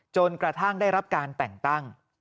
จนกระทั่งได้รับการแต่งตั้ง